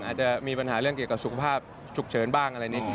อาจจะมีปัญหาเรื่องเกี่ยวกับสุขภาพฉุกเฉินบ้างอะไรนี้